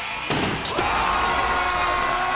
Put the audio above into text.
きた！